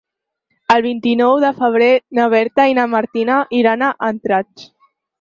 El vint-i-nou de febrer na Berta i na Martina iran a Andratx.